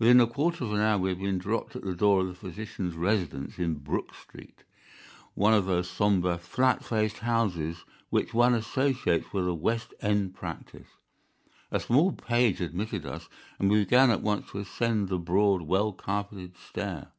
Within a quarter of an hour we had been dropped at the door of the physician's residence in Brook Street, one of those sombre, flat faced houses which one associates with a West End practice. A small page admitted us, and we began at once to ascend the broad, well carpeted stair.